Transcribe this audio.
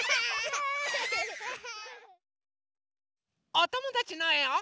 おともだちのえを。